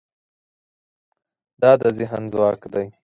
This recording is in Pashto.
دا د ذهن ځواک دی.